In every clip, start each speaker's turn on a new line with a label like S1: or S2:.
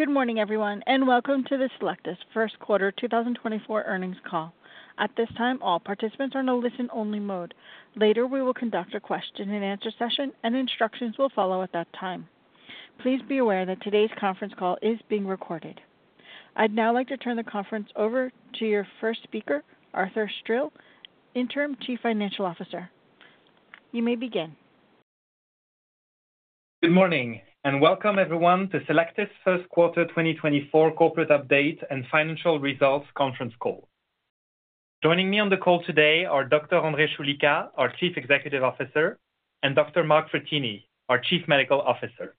S1: Good morning, everyone, and welcome to the Cellectis first quarter 2024 earnings call. At this time, all participants are in a listen-only mode. Later, we will conduct a question-and-answer session, and instructions will follow at that time. Please be aware that today's conference call is being recorded. I'd now like to turn the conference over to your first speaker, Arthur Stril, Interim Chief Financial Officer. You may begin.
S2: Good morning, and welcome everyone to Cellectis's first quarter 2024 corporate update and financial results conference call. Joining me on the call today are Dr. André Choulika, our Chief Executive Officer, and Dr. Mark Frattini, our Chief Medical Officer.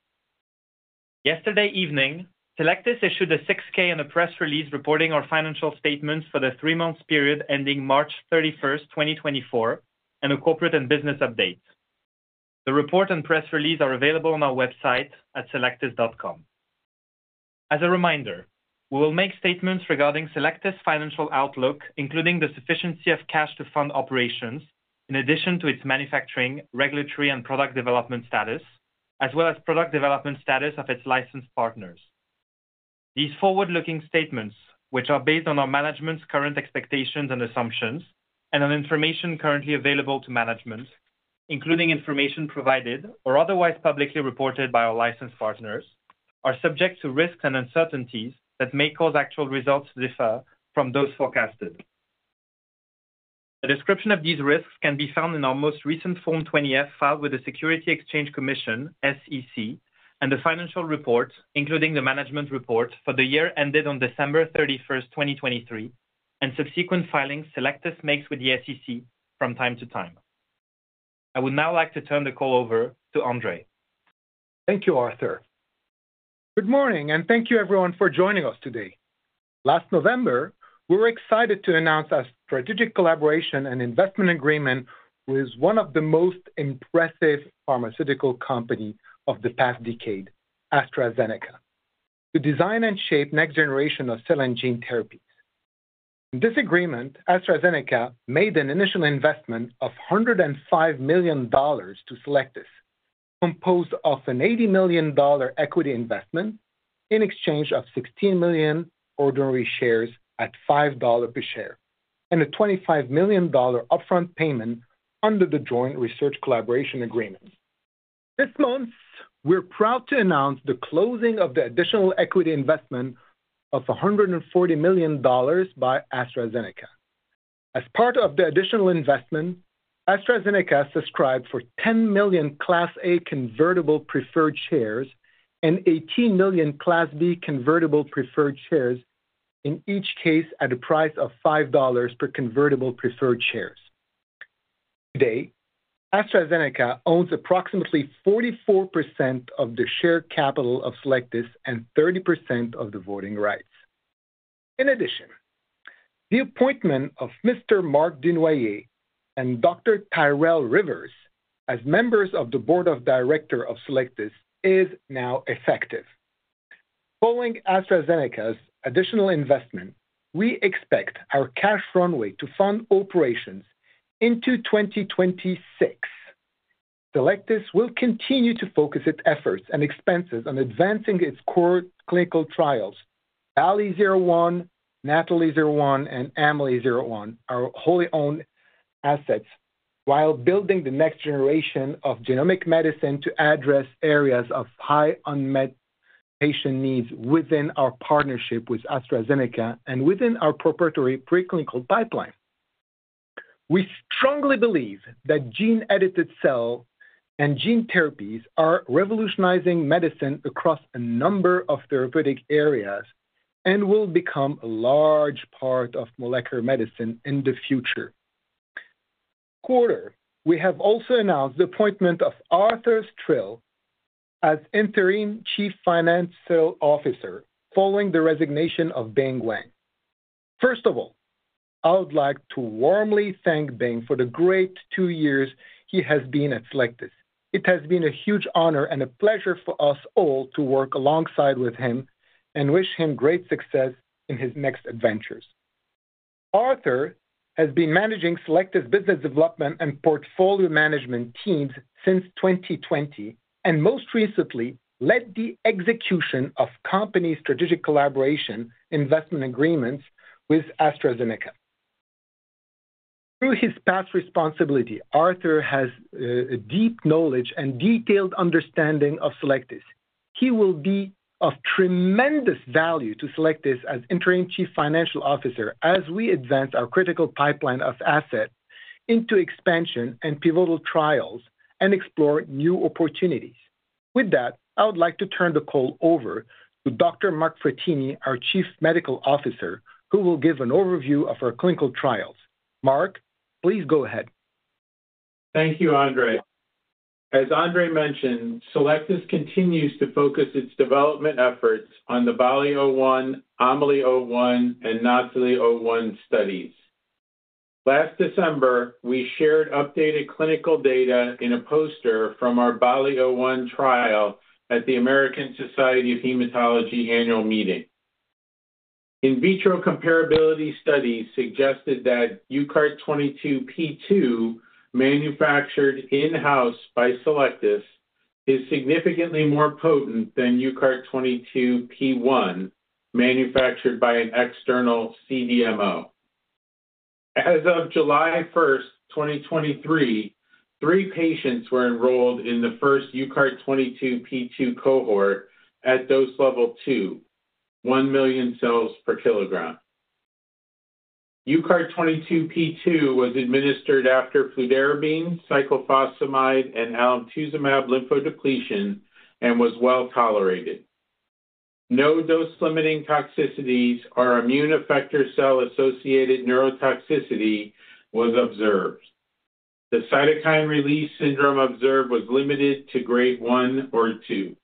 S2: Yesterday evening, Cellectis issued a 6-K in a press release, reporting our financial statements for the three-month period ending March 31st, 2024, and a corporate and business update. The report and press release are available on our website at cellectis.com. As a reminder, we will make statements regarding Cellectis' financial outlook, including the sufficiency of cash to fund operations, in addition to its manufacturing, regulatory and product development status, as well as product development status of its licensed partners. These forward-looking statements, which are based on our management's current expectations and assumptions and on information currently available to management, including information provided or otherwise publicly reported by our licensed partners, are subject to risks and uncertainties that may cause actual results to differ from those forecasted. A description of these risks can be found in our most recent Form 20-F, filed with the Securities and Exchange Commission, SEC, and the financial report, including the management report for the year ended on December 31st, 2023, and subsequent filings Cellectis makes with the SEC from time to time. I would now like to turn the call over to André.
S3: Thank you, Arthur. Good morning, and thank you everyone for joining us today. Last November, we were excited to announce our strategic collaboration and investment agreement with one of the most impressive pharmaceutical company of the past decade, AstraZeneca, to design and shape next generation of cell and gene therapies. In this agreement, AstraZeneca made an initial investment of $105 million to Cellectis, composed of an $80 million equity investment in exchange of 16 million ordinary shares at $5 per share, and a $25 million upfront payment under the Joint Research Collaboration Agreement. This month, we're proud to announce the closing of the additional equity investment of $140 million by AstraZeneca. As part of the additional investment, AstraZeneca subscribed for 10 million Class A convertible preferred shares and 18 million Class B convertible preferred shares, in each case at a price of $5 per convertible preferred shares. Today, AstraZeneca owns approximately 44% of the share capital of Cellectis and 30% of the voting rights. In addition, the appointment of Mr. Marc Dunoyer and Dr. Tyrell Rivers as members of the board of directors of Cellectis is now effective. Following AstraZeneca's additional investment, we expect our cash runway to fund operations into 2026. Cellectis will continue to focus its efforts and expenses on advancing its core clinical trials, BALLI-01, NATHALI-01, and AMELI-01, our wholly owned assets, while building the next generation of genomic medicine to address areas of high unmet patient needs within our partnership with AstraZeneca and within our proprietary preclinical pipeline. We strongly believe that gene-edited cell and gene therapies are revolutionizing medicine across a number of therapeutic areas and will become a large part of molecular medicine in the future. This quarter, we have also announced the appointment of Arthur Stril as Interim Chief Financial Officer, following the resignation of Bing Wang. First of all, I would like to warmly thank Bing for the great two years he has been at Cellectis. It has been a huge honor and a pleasure for us all to work alongside with him and wish him great success in his next adventures. Arthur has been managing Cellectis business development and portfolio management teams since 2020, and most recently led the execution of company's strategic collaboration investment agreements with AstraZeneca. Through his past responsibility, Arthur has a deep knowledge and detailed understanding of Cellectis. He will be of tremendous value to Cellectis as Interim Chief Financial Officer, as we advance our critical pipeline of assets into expansion and pivotal trials and explore new opportunities. With that, I would like to turn the call over to Dr. Mark Frattini, our Chief Medical Officer, who will give an overview of our clinical trials. Mark, please go ahead.
S4: Thank you, André. As André mentioned, Cellectis continues to focus its development efforts on the BALLI-01, AMELI-01, and NATHALI-01 studies. Last December, we shared updated clinical data in a poster from our BALLI-01 trial at the American Society of Hematology annual meeting. In vitro comparability study suggested that UCART22 P2, manufactured in-house by Cellectis, is significantly more potent than UCART22 P1, manufactured by an external CDMO. As of July 1st, 2023, three patients were enrolled in the first UCART22 P2 cohort at dose level 2, 1 million cells per kg. UCART22 P2 was administered after fludarabine, cyclophosphamide, and alemtuzumab lymphodepletion, and was well tolerated. No dose-limiting toxicities or immune effector cell-associated neurotoxicity was observed. The cytokine release syndrome observed was limited to grade 1 or 2.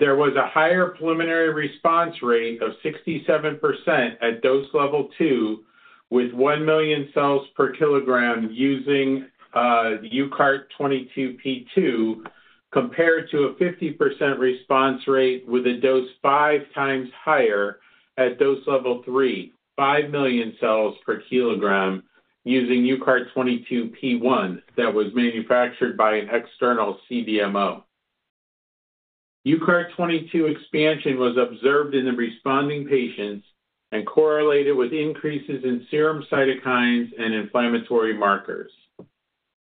S4: There was a higher preliminary response rate of 67% at dose level 2, with 1 million cells per kg using the UCART22 P2, compared to a 50% response rate with a dose 5x higher at dose level 3, 5 million cells per kilogram using UCART22 P1 that was manufactured by an external CDMO. UCART22 expansion was observed in the responding patients and correlated with increases in serum cytokines and inflammatory markers.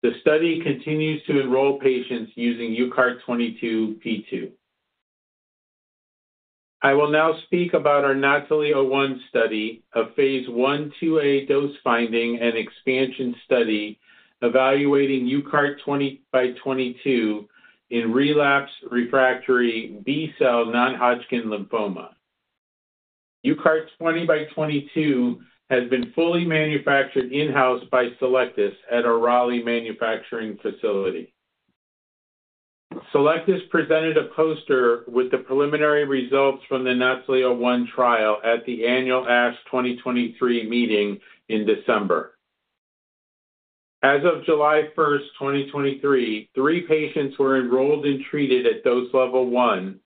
S4: The study continues to enroll patients using UCART22 P2. I will now speak about our NATHALI-01 study, a phase I/II-A dose-finding and expansion study evaluating UCART20x22 in relapsed/refractory B-cell non-Hodgkin lymphoma. UCART20x22 has been fully manufactured in-house by Cellectis at our Raleigh manufacturing facility. Cellectis presented a poster with the preliminary results from the NATHALI-01 trial at the annual ASH 2023 meeting in December. As of July 1st, 2023, three patients were enrolled and treated at dose level 1,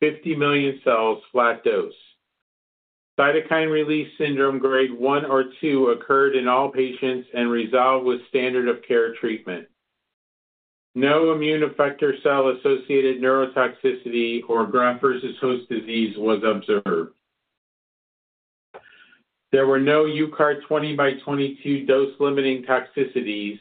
S4: 50 million cells flat dose. Cytokine release syndrome grade 1 or 2 occurred in all patients and resolved with standard of care treatment. No immune effector cell-associated neurotoxicity or graft versus host disease was observed. There were no UCART20x22 dose-limiting toxicities,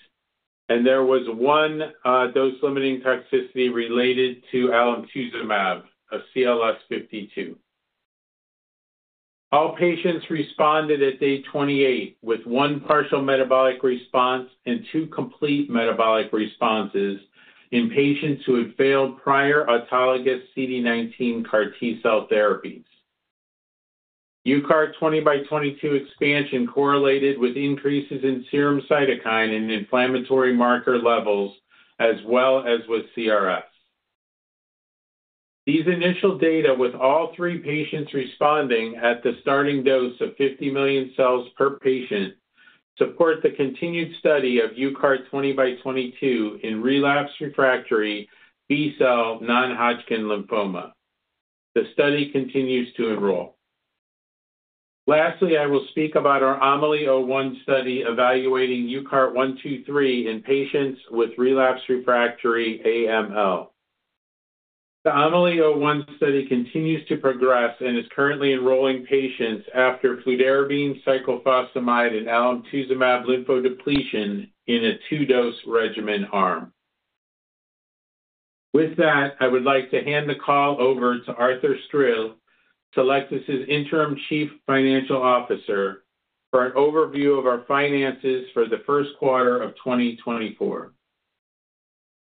S4: and there was one dose-limiting toxicity related to Alemtuzumab, a CRS 2. All patients responded at day 28, with one partial metabolic response and two complete metabolic responses in patients who had failed prior autologous CD19 CAR T cell therapies. UCART20x22 expansion correlated with increases in serum cytokine and inflammatory marker levels, as well as with CRS. These initial data, with all three patients responding at the starting dose of 50 million cells per patient, support the continued study of UCART20x22 in relapsed refractory B-cell non-Hodgkin lymphoma. The study continues to enroll. Lastly, I will speak about our AMELI-01 study evaluating UCART123 in patients with relapsed refractory AML. The AMELI-01 study continues to progress and is currently enrolling patients after fludarabine, cyclophosphamide, and alemtuzumab lymphodepletion in a two-dose regimen arm. With that, I would like to hand the call over to Arthur Stril, Cellectis' Interim Chief Financial Officer, for an overview of our finances for the first quarter of 2024.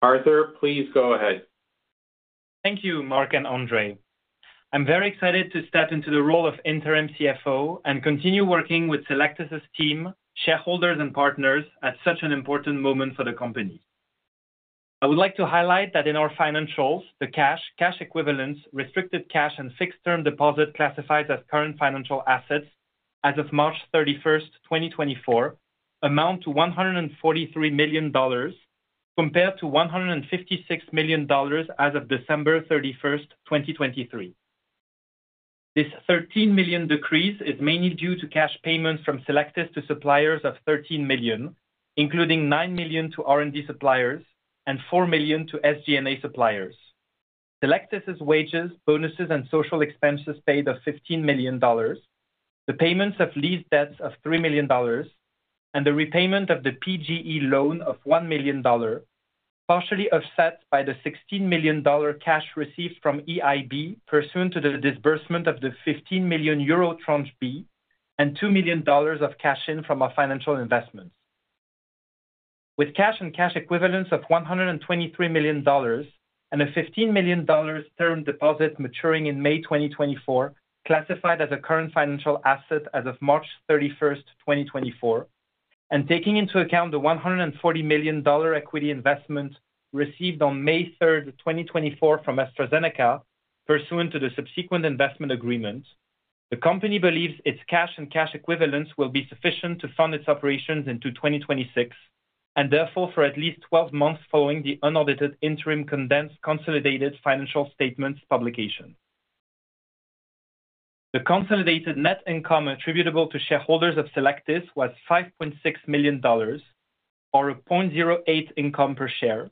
S4: Arthur, please go ahead.
S2: Thank you, Mark and André. I'm very excited to step into the role of interim CFO and continue working with Cellectis' team, shareholders, and partners at such an important moment for the company. I would like to highlight that in our financials, the cash, cash equivalents, restricted cash, and fixed term deposits classified as current financial assets as of March 31st, 2024, amount to $143 million, compared to $156 million as of December 31st, 2023. This $13 million decrease is mainly due to cash payments from Cellectis to suppliers of $13 million, including $9 million to R&D suppliers and $4 million to SG&A suppliers. Cellectis' wages, bonuses, and social expenses paid of $15 million, the payments of lease debts of $3 million, and the repayment of the PGE loan of $1 million, partially offset by the $16 million cash received from EIB pursuant to the disbursement of the 15 million euro tranche B and $2 million of cash in from our financial investments. With cash and cash equivalents of $123 million and a $15 million term deposit maturing in May 2024, classified as a current financial asset as of March 31st, 2024, and taking into account the $140 million equity investment received on May 3rd, 2024 from AstraZeneca pursuant to the subsequent investment agreement, the company believes its cash and cash equivalents will be sufficient to fund its operations into 2026. Therefore, for at least 12 months following the unaudited interim condensed consolidated financial statements publication. The consolidated net income attributable to shareholders of Cellectis was $5.6 million, or a $0.08 income per share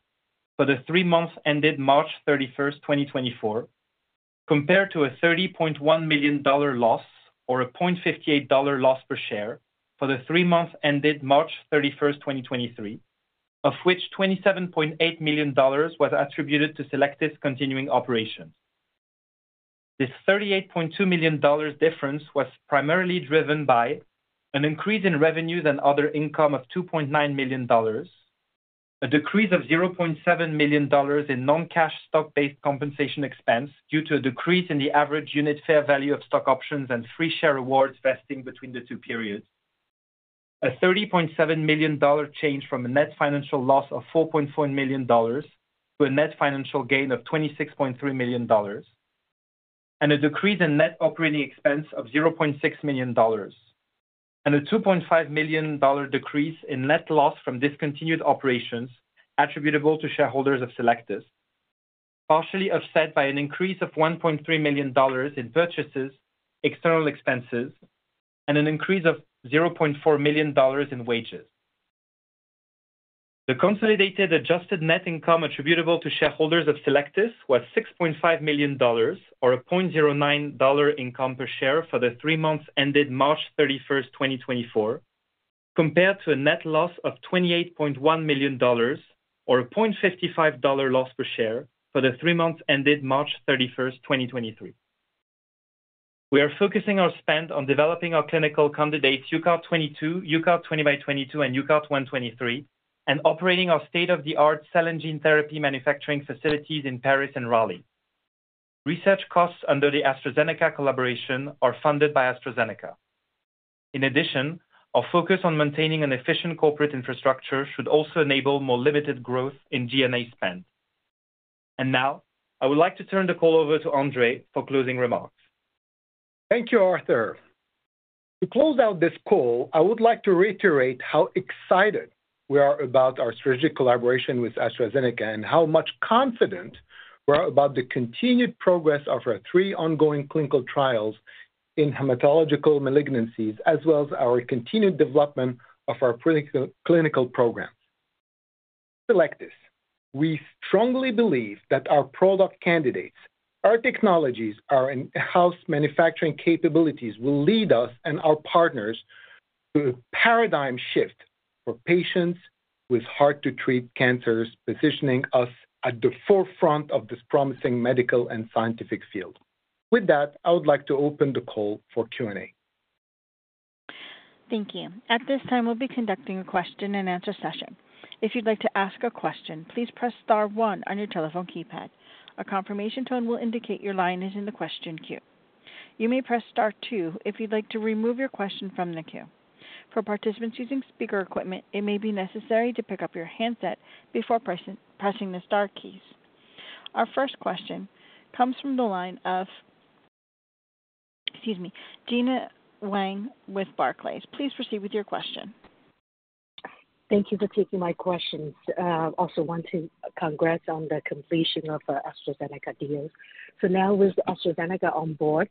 S2: for the three months ended March 31st, 2024, compared to a $30.1 million loss, or a $0.58 loss per share for the three months ended March 31st, 2023, of which $27.8 million was attributed to Cellectis continuing operations. This $38.2 million difference was primarily driven by an increase in revenue than other income of $2.9 million, a decrease of $0.7 million in non-cash stock-based compensation expense due to a decrease in the average unit fair value of stock options and free share awards vesting between the two periods. A $30.7 million change from a net financial loss of $4.4 million to a net financial gain of $26.3 million, and a decrease in net operating expense of $0.6 million, and a $2.5 million decrease in net loss from discontinued operations attributable to shareholders of Cellectis, partially offset by an increase of $1.3 million in purchases, external expenses, and an increase of $0.4 million in wages. The consolidated adjusted net income attributable to shareholders of Cellectis was $6.5 million, or $0.09 income per share for the three months ended March 31st, 2024, compared to a net loss of $28.1 million, or $0.55 loss per share for the three months ended March 31st, 2023. We are focusing our spend on developing our clinical candidates, UCART22, UCART20x22, and UCART123, and operating our state-of-the-art cell and gene therapy manufacturing facilities in Paris and Raleigh. Research costs under the AstraZeneca collaboration are funded by AstraZeneca. In addition, our focus on maintaining an efficient corporate infrastructure should also enable more limited growth in G&A spend. And now, I would like to turn the call over to André for closing remarks.
S3: Thank you, Arthur. To close out this call, I would like to reiterate how excited we are about our strategic collaboration with AstraZeneca, and how much confident we are about the continued progress of our three ongoing clinical trials in hematological malignancies, as well as our continued development of our clinical programs. At Cellectis, we strongly believe that our product candidates, our technologies, our in-house manufacturing capabilities will lead us and our partners to a paradigm shift for patients with hard-to-treat cancers, positioning us at the forefront of this promising medical and scientific field. With that, I would like to open the call for Q&A.
S1: Thank you. At this time, we'll be conducting a question-and-answer session. If you'd like to ask a question, please press star one on your telephone keypad. A confirmation tone will indicate your line is in the question queue. You may press star two if you'd like to remove your question from the queue. For participants using speaker equipment, it may be necessary to pick up your handset before pressing, pressing the star keys. Our first question comes from the line of, excuse me, Gena Wang with Barclays. Please proceed with your question.
S5: Thank you for taking my questions. Also want to congrats on the completion of AstraZeneca deal. So now with AstraZeneca on board,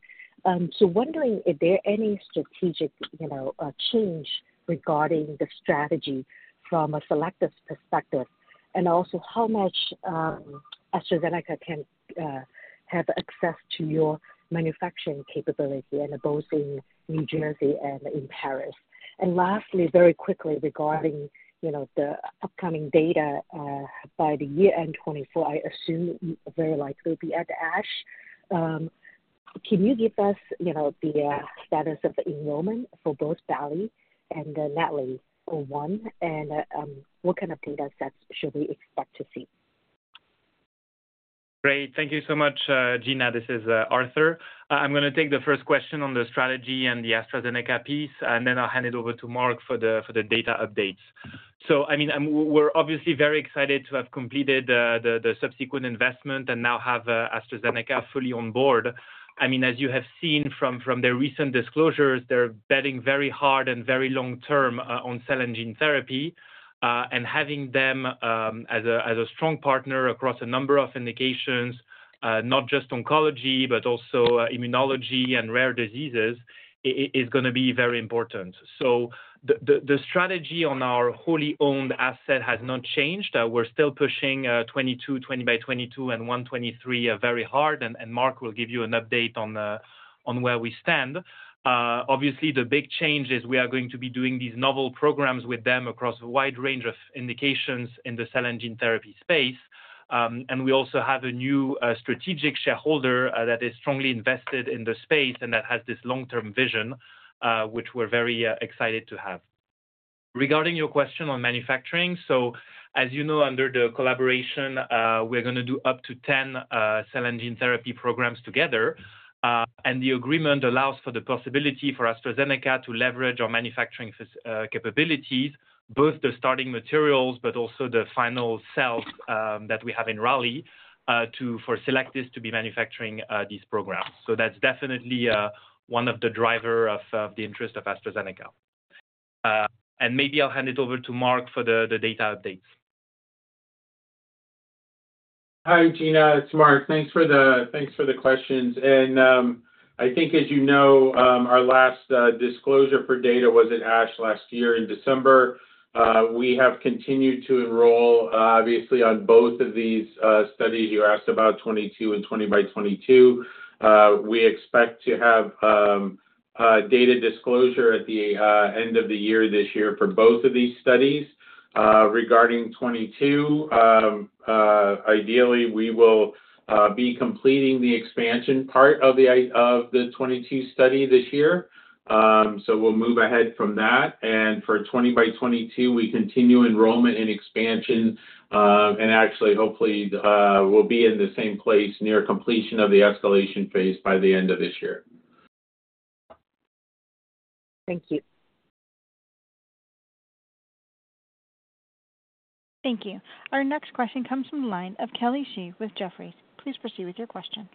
S5: so wondering if there are any strategic, you know, change regarding the strategy from a Cellectis perspective, and also how much AstraZeneca can have access to your manufacturing capability and both in New Jersey and in Paris? And lastly, very quickly regarding, you know, the upcoming data, by the year-end 2024, I assume very likely will be at the ASH. Can you give us, you know, the status of the enrollment for both BALLI-01 and NATHALI-01, and what kind of data sets should we expect to see?
S2: Great. Thank you so much, Gena. This is, Arthur. I'm going to take the first question on the strategy and the AstraZeneca piece, and then I'll hand it over to Marc for the data updates. So I mean, we're obviously very excited to have completed the subsequent investment and now have AstraZeneca fully on board. I mean, as you have seen from their recent disclosures, they're betting very hard and very long-term on cell and gene therapy. And having them as a strong partner across a number of indications, not just oncology, but also immunology and rare diseases, is gonna be very important. So the strategy on our wholly owned asset has not changed. We're still pushing UCART22, UCART20x22, and UCART123 very hard, and Marc will give you an update on where we stand. Obviously, the big change is we are going to be doing these novel programs with them across a wide range of indications in the cell and gene therapy space. We also have a new strategic shareholder that is strongly invested in the space and that has this long-term vision which we're very excited to have. Regarding your question on manufacturing, so as you know, under the collaboration, we're gonna do up to 10 cell and gene therapy programs together. The agreement allows for the possibility for AstraZeneca to leverage our manufacturing capabilities, both the starting materials, but also the final cells, that we have in Raleigh, for Cellectis to be manufacturing these programs. So that's definitely one of the driver of the interest of AstraZeneca. And maybe I'll hand it over to Marc for the data updates.
S4: Hi, Gena, it's Mark. Thanks for the, thanks for the questions. I think, as you know, our last disclosure for data was at ASH last year in December. We have continued to enroll, obviously, on both of these studies you asked about, UCART22 and UCART20x22. We expect to have data disclosure at the end of the year this year for both of these studies. Regarding UCART22, ideally, we will be completing the expansion part of the UCART22 study this year. So we'll move ahead from that. And for UCART20x22, we continue enrollment and expansion, and actually, hopefully, we'll be in the same place near completion of the escalation phase by the end of this year.
S5: Thank you.
S1: Thank you. Our next question comes from the line of Kelly Shi with Jefferies. Please proceed with your question.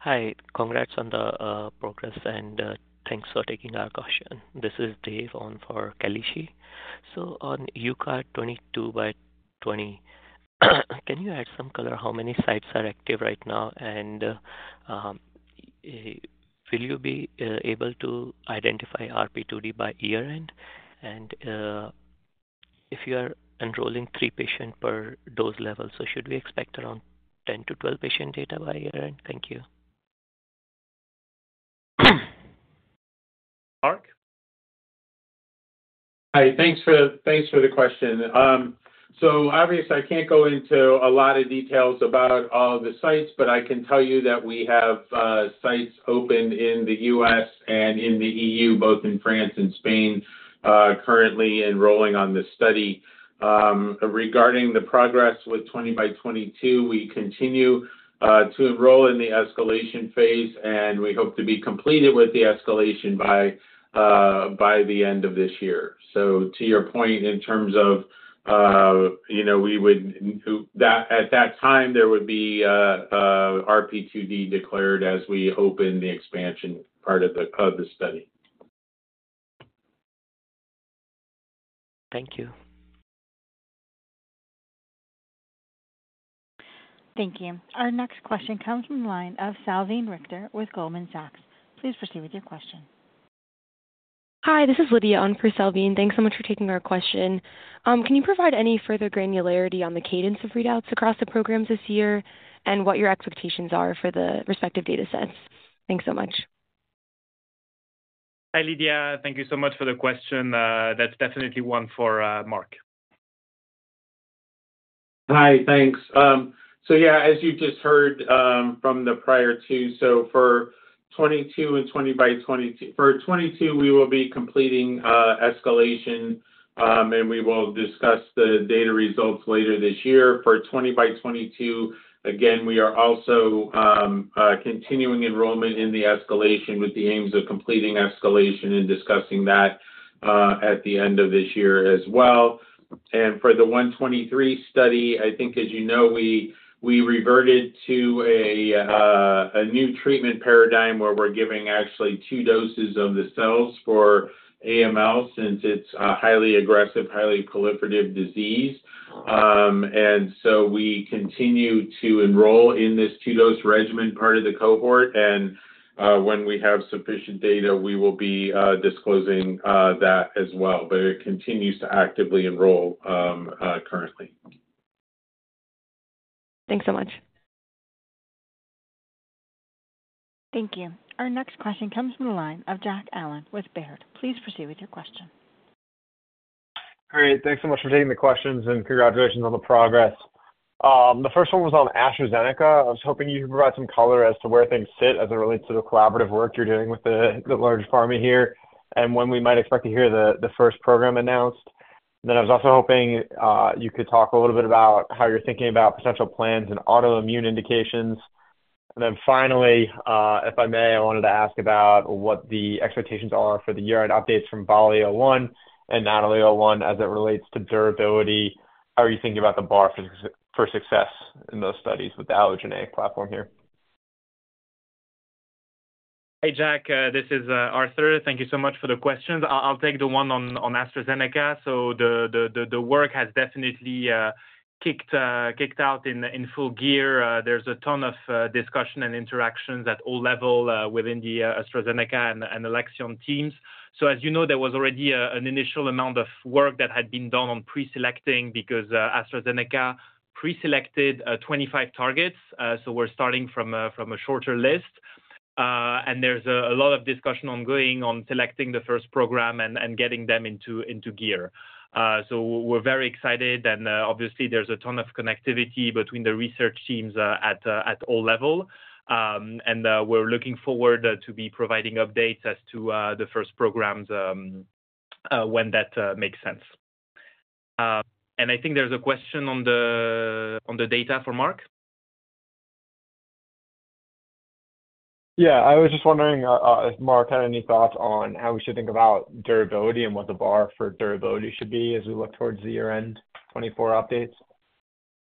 S6: Hi. Congrats on the progress, and thanks for taking our question. This is Dev on for Kelly Shi. So on UCART20x22, can you add some color how many sites are active right now? And will you be able to identify RP2D by year-end? And if you are enrolling three patients per dose level, should we expect around 10-12 patient data by year-end? Thank you.
S2: Mark?
S4: Hi, thanks for the question. So obviously, I can't go into a lot of details about all the sites, but I can tell you that we have sites open in the U.S. and in the EU, both in France and Spain, currently enrolling on this study. Regarding the progress with UCART20x22, we continue to enroll in the escalation phase, and we hope to be completed with the escalation by the end of this year. So to your point, in terms of you know, we would hope that at that time there would be RP2D declared as we open the expansion part of the study.
S6: Thank you.
S1: Thank you. Our next question comes from the line of Salveen Richter with Goldman Sachs. Please proceed with your question.
S7: Hi, this is Lydia on for Salveen. Thanks so much for taking our question. Can you provide any further granularity on the cadence of readouts across the programs this year and what your expectations are for the respective datasets? Thanks so much.
S2: Hi, Lydia. Thank you so much for the question. That's definitely one for Mark.
S4: Hi, thanks. So yeah, as you just heard, from the prior two, so for UCART22 and UCART20x22. For UCART22, we will be completing escalation and we will discuss the data results later this year. For UCART20x22, again, we are also continuing enrollment in the escalation, with the aims of completing escalation and discussing that at the end of this year as well. And for the UCART123 study, I think, as you know, we, we reverted to a new treatment paradigm, where we're giving actually two doses of the cells for AML, since it's a highly aggressive, highly proliferative disease. And so we continue to enroll in this two-dose regimen part of the cohort, and when we have sufficient data, we will be disclosing that as well. But it continues to actively enroll, currently.
S7: Thanks so much.
S1: Thank you. Our next question comes from the line of Jack Allen with Baird. Please proceed with your question.
S8: Great. Thanks so much for taking the questions, and congratulations on the progress. The first one was on AstraZeneca. I was hoping you could provide some color as to where things sit as it relates to the collaborative work you're doing with the large pharma here, and when we might expect to hear the first program announced. Then I was also hoping you could talk a little bit about how you're thinking about potential plans and autoimmune indications. And then finally, if I may, I wanted to ask about what the expectations are for the year-end updates from BALLI-01 and NATHALI-01, as it relates to durability. How are you thinking about the bar for success in those studies with the allogeneic platform here?
S2: Hey, Jack, this is Arthur. Thank you so much for the questions. I'll take the one on AstraZeneca. So the work has definitely kicked out in full gear. There's a ton of discussion and interactions at all levels within the AstraZeneca and Alexion teams. So as you know, there was already an initial amount of work that had been done on pre-selecting, because AstraZeneca preselected 25 targets. So we're starting from a shorter list. And there's a lot of discussion ongoing on selecting the first program and getting them into gear. So we're very excited, and obviously, there's a ton of connectivity between the research teams at all levels. And we're looking forward to be providing updates as to the first programs when that makes sense. And I think there's a question on the data for Mark.
S8: Yeah, I was just wondering if Mark had any thoughts on how we should think about durability and what the bar for durability should be as we look towards the year-end 2024 updates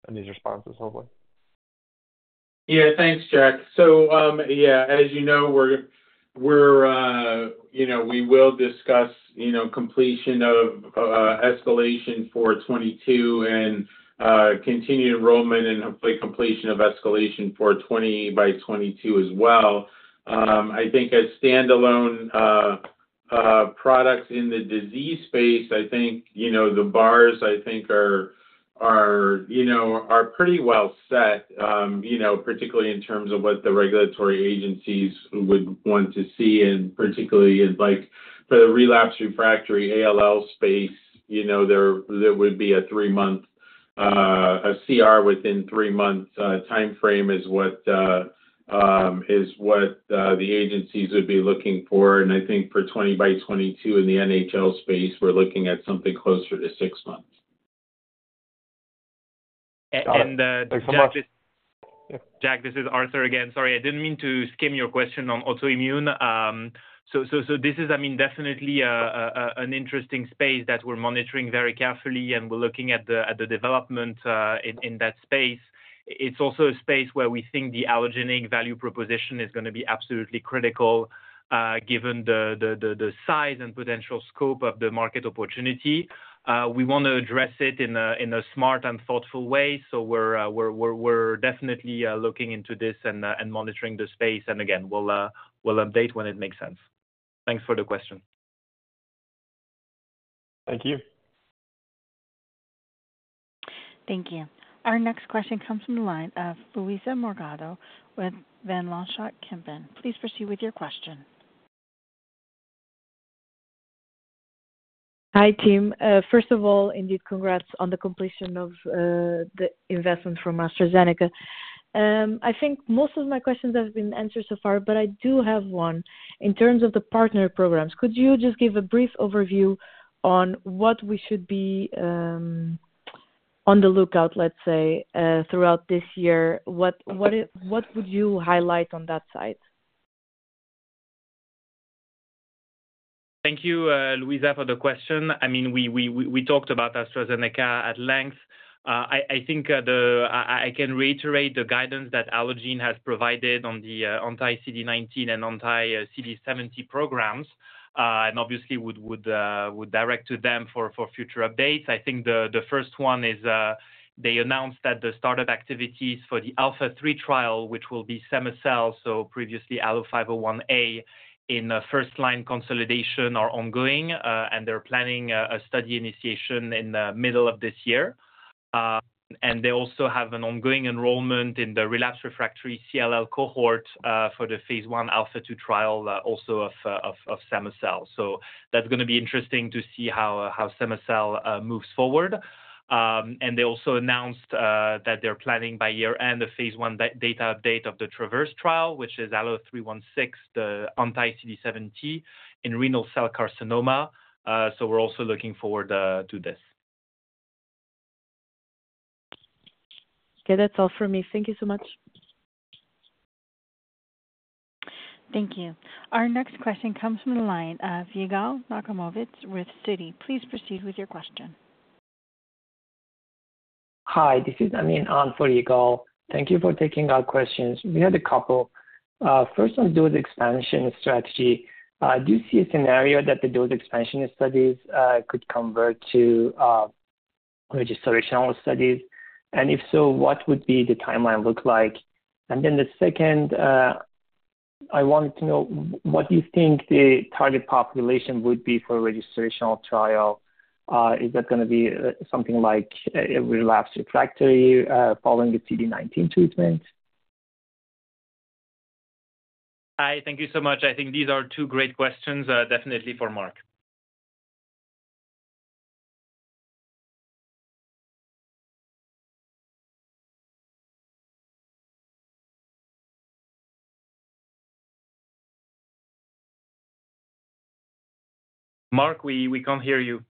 S8: and these responses, hopefully?
S4: Yeah, thanks, Jack. So, yeah, as you know, we're, you know, we will discuss, you know, completion of, escalation for UCART22 and, continued enrollment and complete completion of escalation for UCART20x22 as well. I think as standalone, products in the disease space, I think, you know, the bars, I think are, you know, are pretty well set. You know, particularly in terms of what the regulatory agencies would want to see, and particularly in like the relapsed refractory ALL space, you know, there would be a three-month, a CR within three months, timeframe is what, is what, the agencies would be looking for. And I think for UCART20x22 in the NHL space, we're looking at something closer to 6 months.
S2: And, Jack, this-
S8: Thanks so much.
S2: Jack, this is Arthur again. Sorry, I didn't mean to skim your question on autoimmune. So this is, I mean, definitely an interesting space that we're monitoring very carefully, and we're looking at the development in that space. It's also a space where we think the allogeneic value proposition is gonna be absolutely critical, given the size and potential scope of the market opportunity. We want to address it in a smart and thoughtful way. So we're definitely looking into this and monitoring the space. And again, we'll update when it makes sense. Thanks for the question.
S8: Thank you.
S1: Thank you. Our next question comes from the line of Luísa Morgado with Van Lanschot Kempen. Please proceed with your question.
S9: Hi, team. First of all, indeed, congrats on the completion of the investment from AstraZeneca. I think most of my questions have been answered so far, but I do have one. In terms of the partner programs, could you just give a brief overview on what we should be on the lookout, let's say, throughout this year? What would you highlight on that side?
S2: Thank you, Luísa, for the question. I mean, we talked about AstraZeneca at length. I think I can reiterate the guidance that Allogene has provided on the anti-CD19 and anti-CD70 programs, and obviously would direct to them for future updates. I think the first one is they announced that the startup activities for the ALPHA-3 trial, which will be cema-cel, so previously ALLO-501A, in first-line consolidation, are ongoing, and they're planning a study initiation in the middle of this year. And they also have an ongoing enrollment in the relapsed refractory CLL cohort for the phase 1 ALPHA-2 trial, also of cema-cel. So that's gonna be interesting to see how cema-cel moves forward. And they also announced that they're planning by year-end a phase I data update of the Traverse trial, which is ALLO-316, the anti-CD70, in renal cell carcinoma. So we're also looking forward to this.
S9: Okay, that's all for me. Thank you so much.
S1: Thank you. Our next question comes from the line of Yigal Nochomovitz with Citi. Please proceed with your question.
S10: Hi, this is Amin on for Yigal. Thank you for taking our questions. We had a couple. First, on dose expansion strategy, do you see a scenario that the dose expansion studies could convert to registrational studies? And if so, what would be the timeline look like? And then the second, I wanted to know, what do you think the target population would be for a registrational trial? Is that gonna be something like a relapsed refractory following the CD19 treatment?
S2: Hi, thank you so much. I think these are two great questions, definitely for Mark. Mark, we can't hear you.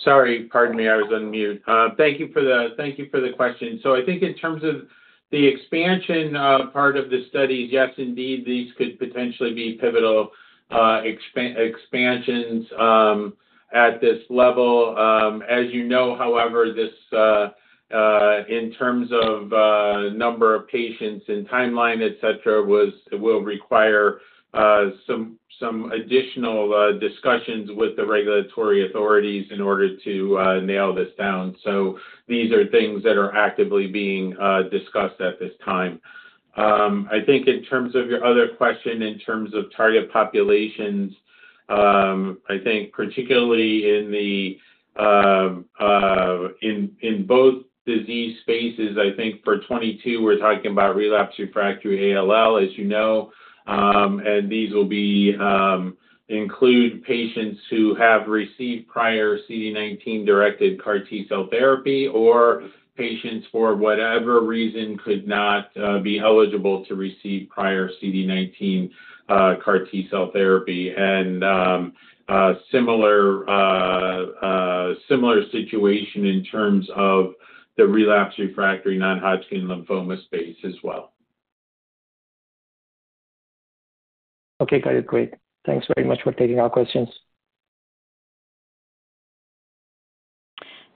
S4: Sorry. Pardon me, I was on mute. Thank you for the, thank you for the question. So I think in terms of the expansion, part of the study, yes, indeed, these could potentially be pivotal expansions at this level. As you know, however, this in terms of number of patients and timeline, et cetera. It will require some additional discussions with the regulatory authorities in order to nail this down. So these are things that are actively being discussed at this time. I think in terms of your other question, in terms of target populations, I think particularly in both disease spaces, I think for UCART22, we're talking about relapsed refractory ALL, as you know. These will include patients who have received prior CD19-directed CAR T cell therapy, or patients, for whatever reason, could not be eligible to receive prior CD19 CAR T cell therapy. And a similar situation in terms of the relapsed refractory Non-Hodgkin lymphoma space as well.
S10: Okay, got it. Great. Thanks very much for taking our questions.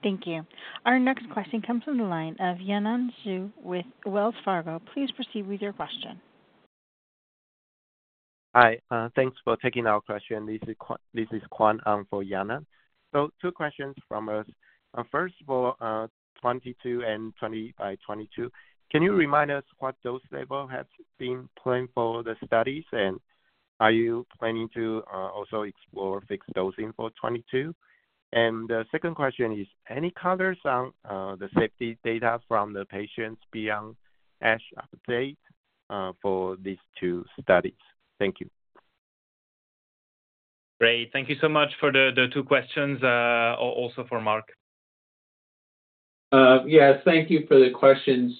S1: Thank you. Our next question comes from the line of Yanan Zhu with Wells Fargo. Please proceed with your question.
S11: Hi, thanks for taking our question. This is Kuan-Hung for Yana. So two questions from us. First of all, UCART22 and UCART20x22, can you remind us what dose level has been planned for the studies? And are you planning to also explore fixed dosing for UCART22? And the second question is, any colors on the safety data from the patients beyond ASH update for these two studies? Thank you.
S2: Great, thank you so much for the two questions, also for Mark.
S4: Yes, thank you for the question.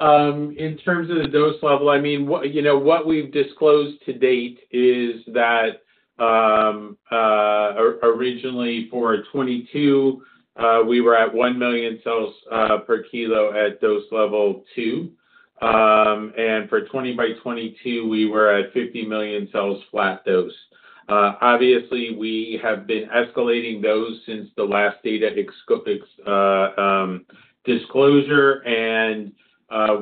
S4: So, in terms of the dose level, I mean, what, you know, what we've disclosed to date is that, originally for UCART22, we were at 1 million cells per kilo at dose level 2. And for UCART20x22, we were at 50 million cells flat dose. Obviously, we have been escalating those since the last data disclosure, and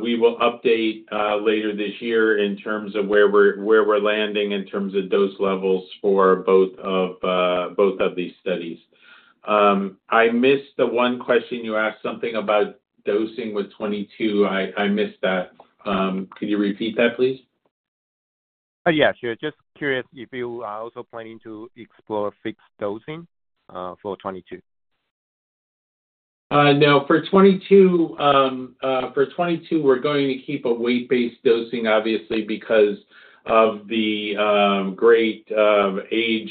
S4: we will update later this year in terms of where we're landing in terms of dose levels for both of these studies. I missed the one question you asked, something about dosing with UCART22. I missed that. Can you repeat that, please?
S11: Yes, sure. Just curious if you are also planning to explore fixed dosing for UCART22?
S4: No. For UCART22, for UCART22, we're going to keep a weight-based dosing, obviously, because of the great age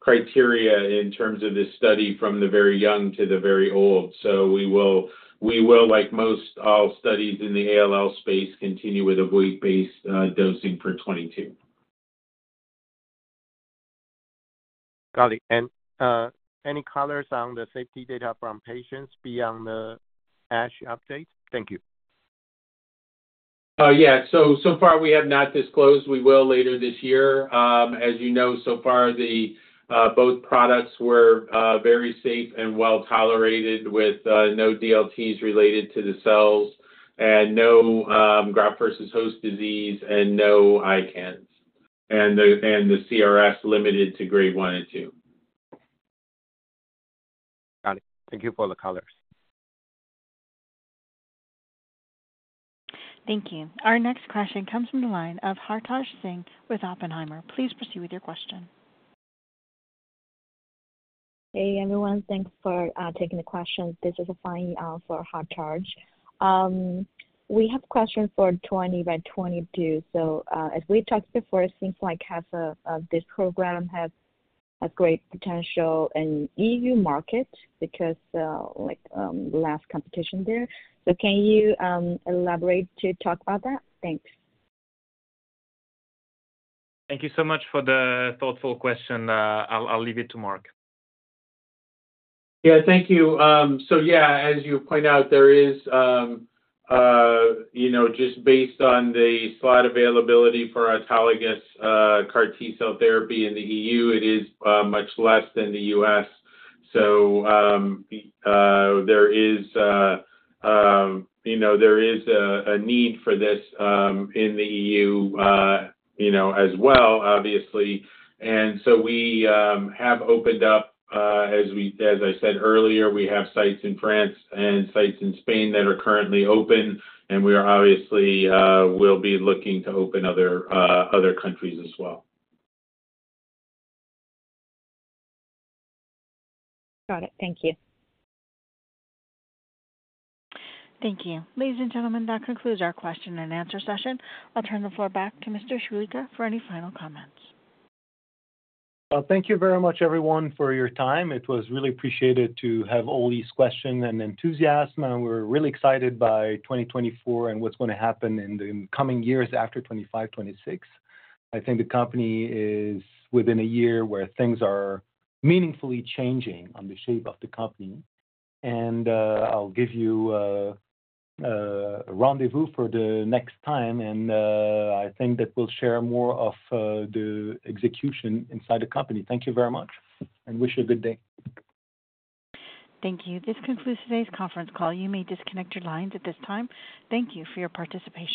S4: criteria in terms of this study from the very young to the very old. So we will, we will, like most all studies in the ALL space, continue with a weight-based dosing for UCART22.
S11: Got it. And any colors on the safety data from patients beyond the ASH update? Thank you.
S4: Yeah. So, so far we have not disclosed. We will later this year. As you know, so far, both products were very safe and well-tolerated, with no DLTs related to the cells, and no graft versus host disease, and no ICANS, and the CRS limited to grade 1 and 2.
S11: Got it. Thank you for all the colors.
S1: Thank you. Our next question comes from the line of Hartaj Singh with Oppenheimer. Please proceed with your question.
S12: Hey, everyone. Thanks for taking the question. This is Fianna, for Hartaj. We have questions for UCART20x22. So, as we talked before, it seems like half of, of this program have a great potential in EU market because, like, less competition there. So can you elaborate to talk about that? Thanks.
S2: Thank you so much for the thoughtful question. I'll leave it to Mark.
S4: Yeah, thank you. So yeah, as you point out, there is, you know, just based on the slot availability for autologous, CAR T cell therapy in the EU, it is, much less than the U.S. So, there is, you know, there is a need for this, in the EU, you know, as well, obviously. And so we, have opened up, as we... As I said earlier, we have sites in France and sites in Spain that are currently open, and we are obviously, will be looking to open other, other countries as well.
S12: Got it. Thank you.
S1: Thank you. Ladies and gentlemen, that concludes our question and answer session. I'll turn the floor back to Mr. Choulika for any final comments.
S3: Thank you very much, everyone, for your time. It was really appreciated to have all these question and enthusiasm, and we're really excited by 2024 and what's going to happen in the coming years after 2025, 2026. I think the company is within a year where things are meaningfully changing on the shape of the company. And, I'll give you a, a rendezvous for the next time, and, I think that we'll share more of, the execution inside the company. Thank you very much, and wish you a good day.
S1: Thank you. This concludes today's conference call. You may disconnect your lines at this time. Thank you for your participation.